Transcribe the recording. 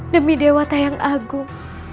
demi dewa tayang agung